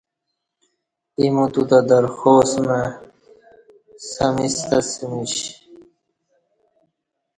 ایمو تو تہ درخواست مع سمیستہ اسہ میش۔